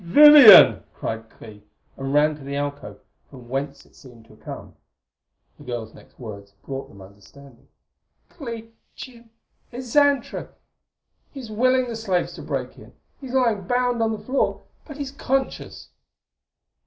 "Vivian!" cried Clee, and ran to the alcove, from whence it had seemed to come. The girl's next words brought them understanding. "Clee Jim it's Xantra! He's willing the slaves to break in! He's lying bound on the floor, but he's conscious!"